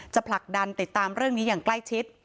ผลักดันติดตามเรื่องนี้อย่างใกล้ชิด